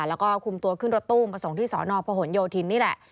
แล้วก็คุมตัวขึ้นรถตู้มาส่งที่สอนอพหนโยธินนี่แหละ